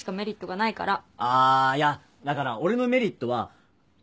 あいやだから俺のメリットは。